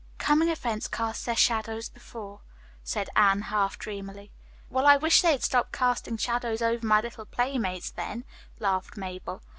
"'Coming events cast their shadows before'" said Anne half dreamily. "Well, I wish they'd stop casting shadows over my little playmates then," laughed Mabel.